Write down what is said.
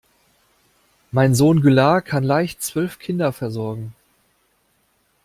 Mein Sohn Güllar kann leicht zwölf Kinder versorgen.